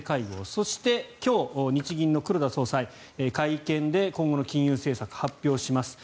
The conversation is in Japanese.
そして今日、日銀の黒田総裁会見で今後の金融政策を発表します。